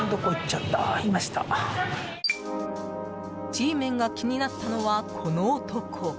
Ｇメンが気になったのはこの男。